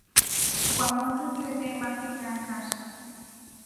Kwamotru twete mafina akasha.